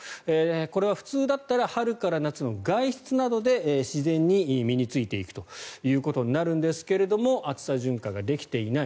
これは普通だったら春から夏の外出などで自然に身についていくということになるんですが暑さ順化ができていない。